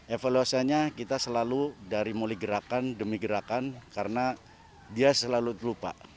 evaluasinya kita selalu dari mulai gerakan demi gerakan karena dia selalu terlupa